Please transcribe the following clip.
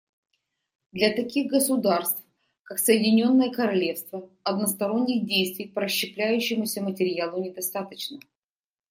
Для таких государств, как Соединенное Королевство, односторонних действий по расщепляющемуся материалу недостаточно.